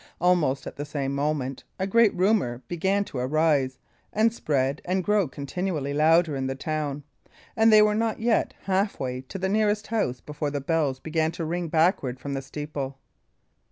Almost at the same moment a great rumour began to arise, and spread and grow continually louder in the town; and they were not yet halfway to the nearest house before the bells began to ring backward from the steeple.